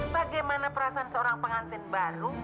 bagaimana perasaan seorang pengantin baru